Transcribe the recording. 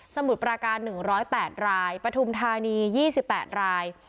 มุดปราการ๑๐๘รายปฐุมธานี๒๘ราย